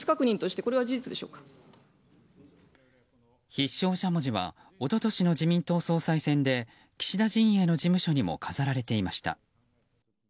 必勝しゃもじは一昨年の自民党総裁選で岸田陣営の事務所にも飾られていました。